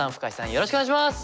よろしくお願いします！